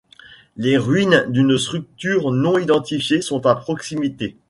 Les ruines d'une structure non identifiée sont à proximité.